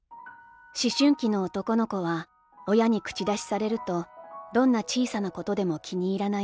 「思春期の男の子は、親に口出しされると、どんな小さなことでも気に入らないもの。